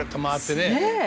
ねえ。